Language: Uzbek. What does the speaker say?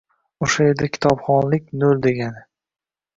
O‘sha yerda kitobxonlik nol degani.